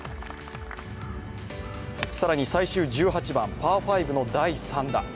更に最終１８番パー５の第３打。